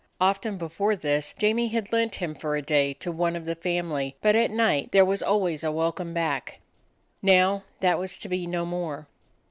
Often before this, Jamie had lent him for a day to one of the family, but at night there was always a welcome back. Now that was to be no more.